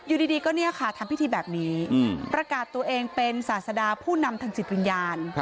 อยู่ดีก็เนี่ยค่ะทำพิธีแบบนี้ประกาศตัวเองเป็นศาสดาผู้นำทางจิตวิญญาณ